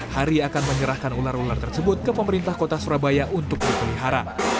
hari akan menyerahkan ular ular tersebut ke pemerintah kota surabaya untuk dipelihara